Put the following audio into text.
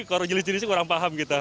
kalau jenis jenisnya kurang paham gitu